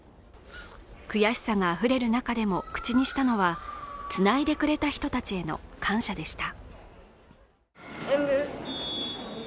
悔しさがあふれる中でも口にしたのは繋いでくれた人たちへの感謝でした。